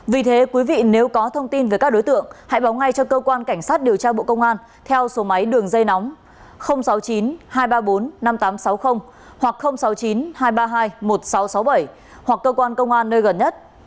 vì thế quý vị nếu có thông tin về các đối tượng hãy báo ngay cho cơ quan cảnh sát điều tra bộ công an theo số máy đường dây nóng sáu mươi chín hai trăm ba mươi bốn năm nghìn tám trăm sáu mươi hoặc sáu mươi chín hai trăm ba mươi hai một nghìn sáu trăm sáu mươi bảy hoặc cơ quan công an nơi gần nhất